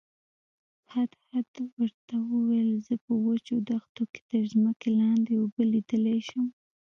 هدهد ورته وویل زه په وچو دښتو کې تر ځمکې لاندې اوبه لیدلی شم.